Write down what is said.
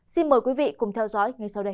xin mời quý vị cùng theo dõi ngay sau đây